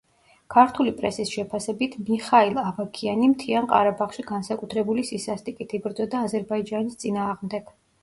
ქართული პრესის შეფასებით, მიხაილ ავაქიანი მთიან ყარაბაღში განსაკუთრებული სისასტიკით იბრძოდა აზერბაიჯანის წინააღმდეგ.